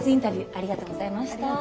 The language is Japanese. ありがとうございます。